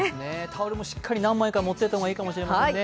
タオルも何枚か持っていった方がいいかもしれませんね。